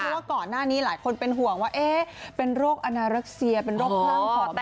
เพราะว่าก่อนหน้านี้หลายคนเป็นห่วงว่าเป็นโรคอาณาเร็กเซียเป็นโรคพรั่งผอมหรือเปล่า